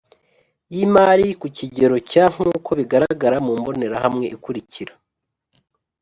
Y imari ku kigero cya nk uko bigararagara mu mbonerahamwe ikurikira